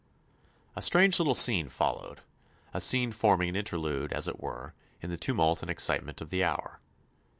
A strange little scene followed a scene forming an interlude, as it were, in the tumult and excitement of the hour.